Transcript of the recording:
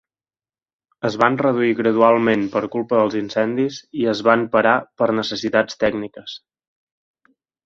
Es van reduir gradualment per culpa dels incendis i es van parar per necessitats tècniques.